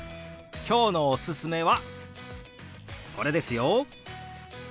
今日のおすすめはこれですよ。